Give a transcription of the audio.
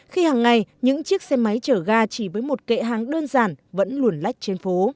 khi hàng ngày những chiếc xe máy chở ga chỉ với một kệ hàng đơn giản vẫn luồn lách trên phố